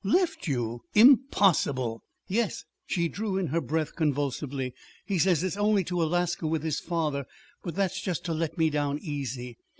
"Left you! Impossible!" "Yes." She drew in her breath convulsively. "He says it's only to Alaska with his father; but that's just to let me down easy."